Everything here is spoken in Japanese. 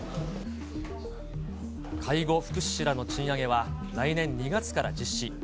介護福祉士らの賃上げは来年２月から実施。